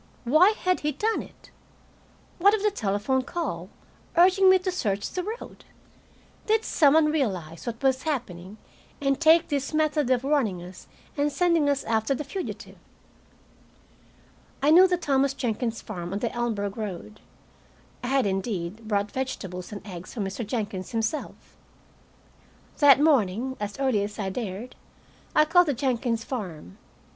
Why had he done it? What of the telephone call, urging me to search the road? Did some one realize what was happening, and take this method of warning us and sending us after the fugitive? I knew the Thomas Jenkins farm on the Elmsburg road. I had, indeed, bought vegetables and eggs from Mr. Jenkins himself. That morning, as early as I dared, I called the Jenkins farm. Mr.